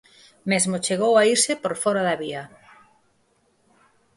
Mesmo chegou a irse por fóra da vía.